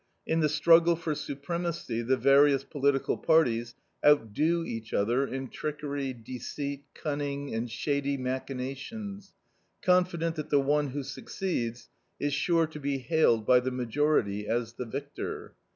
In the struggle for supremacy the various political parties outdo each other in trickery, deceit, cunning, and shady machinations, confident that the one who succeeds is sure to be hailed by the majority as the victor.